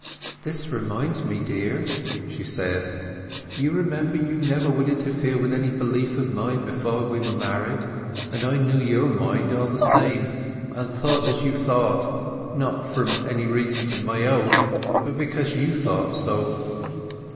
"This reminds me, dear," she said. "You remember you never would interfere with any belief of mine before we were married? But I knew your mind all the same, and I thought as you thought—not from any reasons of my own, but because you thought so.